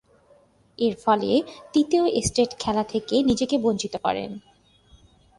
এরফলে তৃতীয় টেস্ট খেলা থেকে নিজেকে বঞ্চিত করেন।